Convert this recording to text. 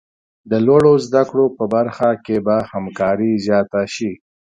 د لوړو زده کړو په برخه کې به همکاري زیاته شي.